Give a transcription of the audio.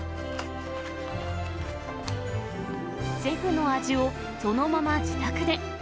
シェフの味をそのまま自宅で。